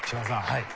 はい。